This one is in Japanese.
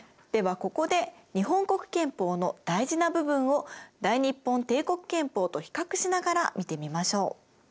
ではここで日本国憲法の大事な部分を大日本帝国憲法と比較しながら見てみましょう。